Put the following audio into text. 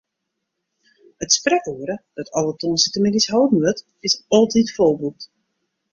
It sprekoere, dat alle tongersdeitemiddeis holden wurdt, is altyd folboekt.